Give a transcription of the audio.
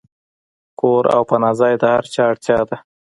کور او پناه ځای د هر چا اړتیا ده.